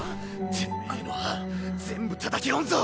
てめぇの歯全部たたき折んぞ！